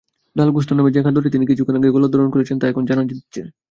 ডাল-গোশত নামের যে খাদ্যটি তিনি কিছুক্ষণ আগে গলাধঃকরণ করেছেন, তা এখন জানান দিচ্ছে।